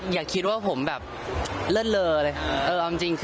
อย่าคิดว่าผมแบบเลิศเลอเลย